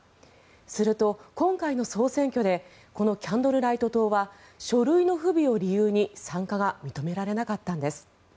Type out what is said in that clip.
すると、今回の総選挙でこのキャンドルライト党は書類の不備を理由に参加が認められなかったんです。